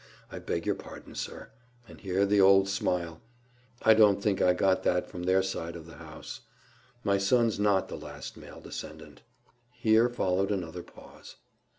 —I beg your pardon, sir,"—and here the old smile—"I don't think I got that from THEIR side of the house.—My son's NOT the last male descendant." Here followed another pause.